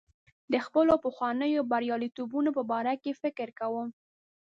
د خپلو پخوانیو بریالیتوبونو په باره کې فکر کوم.